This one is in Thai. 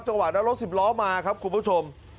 จังหวะนั้นรถสิบล้อมาครับคุณผู้ชม